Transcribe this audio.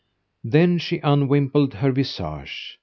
Then she unwimpled her visage.